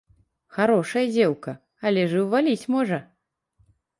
Харошая дзеўка, але ж і ўваліць можа!